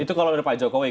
itu kalau dari pak jokowi